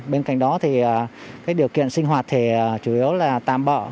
bên cạnh đó thì điều kiện sinh hoạt chủ yếu là tạm bỡ